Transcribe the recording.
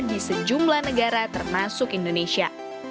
di sejumlah negara termasuk indonesia